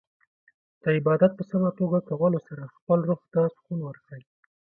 د عبادت په سمه توګه کولو سره خپل روح ته سکون ورکړئ.